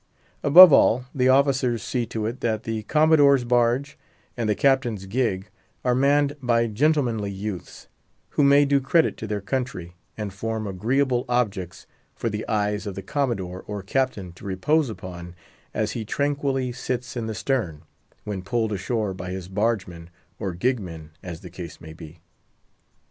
Above all, the officers see to it that the Commodore's Barge and the Captain's Gig are manned by gentlemanly youths, who may do credit to their country, and form agreeable objects for the eyes of the Commodore or Captain to repose upon as he tranquilly sits in the stern, when pulled ashore by his barge men or gig men, as the case may be.